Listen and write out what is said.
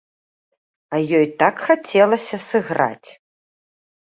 А ёй так хацелася сыграць.